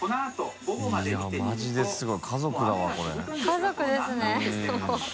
家族ですね